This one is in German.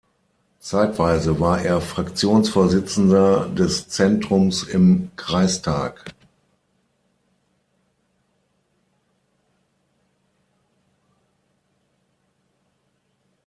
Zeitweise war er Fraktionsvorsitzender des Zentrums im Kreistag.